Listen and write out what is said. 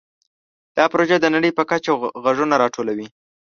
دا پروژه د نړۍ په کچه غږونه راټولوي.